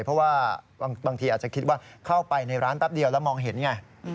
เพราะว่าบางทีอาจจะคิดว่าเข้าไปในร้านแป๊บเดียวแล้วมองเห็นไง